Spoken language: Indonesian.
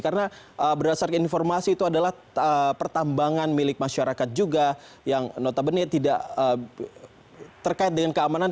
karena berdasarkan informasi itu adalah pertambangan milik masyarakat juga yang notabene tidak terkait dengan keamanan